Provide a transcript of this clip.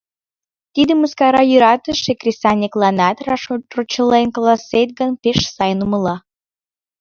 Тиде мыскара йӧратыше кресаньыкланак раш, рончылен каласет гын, пеш сайын умыла.